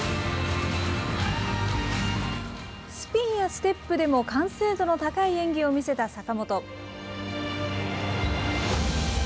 スピンやステップでも完成度の高い演技を見せた坂本。